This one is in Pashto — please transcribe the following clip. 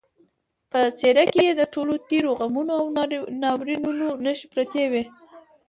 په څېره کې یې د ټولو تېرو غمونو او ناورینونو نښې پرتې وې